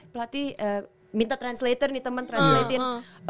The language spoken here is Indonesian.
pelatih minta translator nih temen translate in